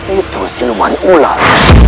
itu sinuman ular